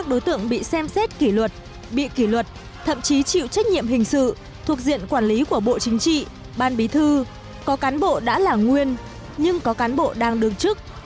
hai mươi đối tượng bị xem xét kỷ luật bị kỷ luật thậm chí chịu trách nhiệm hình sự thuộc diện quản lý của bộ chính trị ban bí thư có cán bộ đã là nguyên nhưng có cán bộ đang đương chức